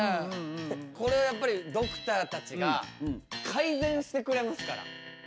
これをやっぱりドクターたちが改善してくれますから。